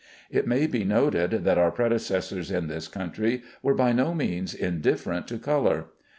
It may be noted that our predecessors in this country were by no means indifferent to color.